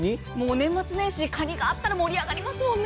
年末年始、かにがあったら盛り上がりますもんね。